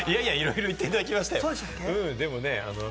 いやいや、いろいろ言っていただきましたよ、でもね